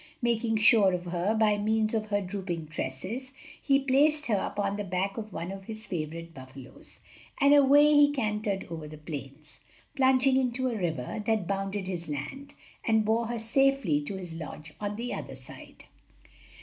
Making sure of her by means of her drooping tresses, he placed her upon the back of one of his favorite buffalos, and away he cantered over the plains. Plunging into a river that bounded his land, he bore her safely to his lodge on the other side.